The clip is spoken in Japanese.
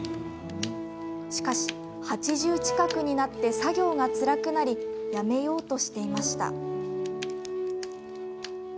しかし、８０近くになって作業がつらくなりやめようとしていました。